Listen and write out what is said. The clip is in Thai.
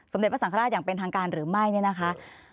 เด็จพระสังฆราชอย่างเป็นทางการหรือไม่เนี่ยนะคะ